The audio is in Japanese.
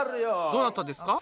どなたですか？